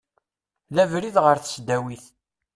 D abrid ɣer tesdawit.